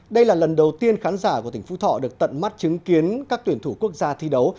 đây là lần đầu tiên khán giả của tỉnh phú thọ được tận mắt chứng kiến các tuyển thủ quốc gia thi đấu